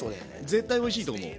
絶対おいしいと思う。